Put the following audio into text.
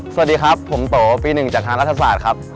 สวัสดีครับผมโตปี๑จากทางรัฐศาสตร์ครับ